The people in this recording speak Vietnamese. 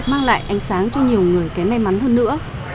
mang lại ánh sáng cho nhiều người kém may mắn hơn nữa